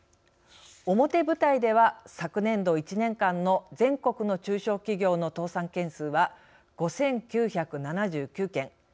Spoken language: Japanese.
表舞台では昨年度１年間の全国の中小企業の倒産件数は５，９７９件。